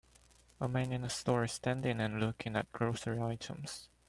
A man in a store is standing and looking at grocery items.